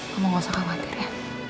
kamu gak usah khawatir ya